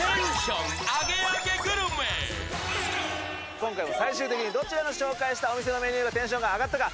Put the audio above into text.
今回も最終的にどちらが紹介したお店のメニューがアガったか、テンションが上がったか